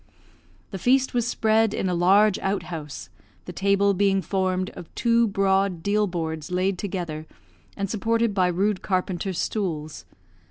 The feast was spread in a large outhouse, the table being formed of two broad deal boards laid together, and supported by rude carpenter's stools.